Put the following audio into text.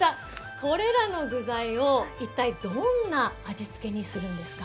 これらの具材を一体どんな味付けにするんですか？